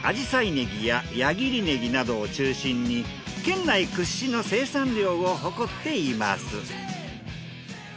ねぎや矢切ねぎなどを中心に県内屈指の生産量を誇っています。